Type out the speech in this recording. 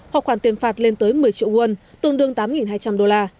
hoặc khoản tiền phạt lên tới một mươi triệu won tương đương tám hai trăm linh đô la